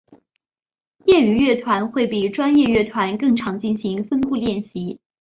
业余乐团会比专业乐团更常进行分部练习。